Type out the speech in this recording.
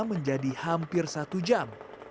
menjadi hampir satu jam